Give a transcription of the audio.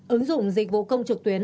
ứng dụng dịch vụ công trực tuyến